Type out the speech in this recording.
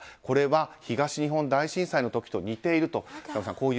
これは東日本大震災の時と似ていると、坂上さん